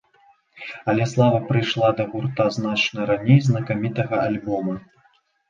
Але слава прыйшла да гурта значна раней знакамітага альбома.